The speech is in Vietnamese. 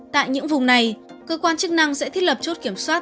tại những vùng này cơ quan chức năng sẽ thiết lập chốt kiểm soát